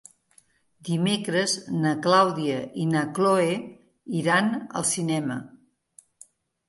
Dimecres na Clàudia i na Cloè iran al cinema.